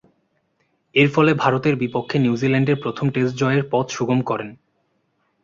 এরফলে, ভারতের বিপক্ষে নিউজিল্যান্ডের প্রথম টেস্ট জয়ের পথ সুগম করেন।